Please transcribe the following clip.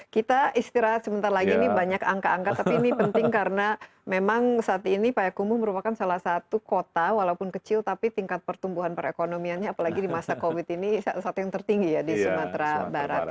kita istirahat sebentar lagi ini banyak angka angka tapi ini penting karena memang saat ini payakumbu merupakan salah satu kota walaupun kecil tapi tingkat pertumbuhan perekonomiannya apalagi di masa covid ini satu yang tertinggi ya di sumatera barat ya